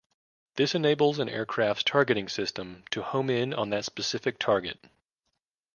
This enables an aircraft's targeting system to home in on that specific target.